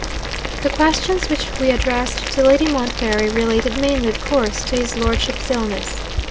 'The questions which we addressed to Lady Montbarry related mainly, of course, to his lordship's illness.